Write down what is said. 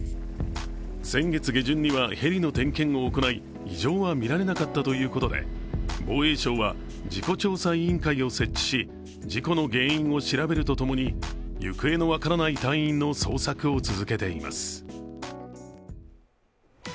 先月下旬にはヘリの点検を行い、異常は見られなかったということで、防衛省は事故調査委員会を設置し、事故の原因を調べるとともに、行方の分からない隊員の捜索を続けています。